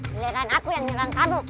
giliran aku yang nyerang kamu